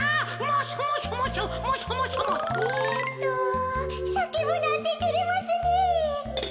えっとさけぶなんててれますねえ。